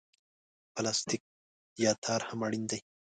پلاستیک یا تار هم اړین دي.